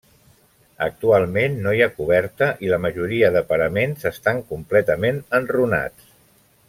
Actualment no hi ha coberta i la majoria de paraments estan completament enrunats.